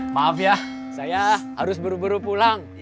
maaf ya saya harus baru baru pulang